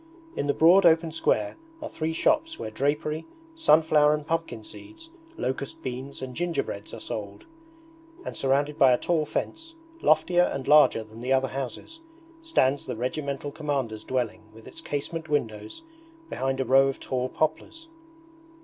In the broad open square are three shops where drapery, sunflower and pumpkin seeds, locust beans and gingerbreads are sold; and surrounded by a tall fence, loftier and larger than the other houses, stands the Regimental Commander's dwelling with its casement windows, behind a row of tall poplars.